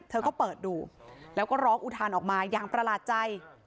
เธอก็เปิดดูแล้วก็ร้องอุทานออกมาอย่างประหลาดใจ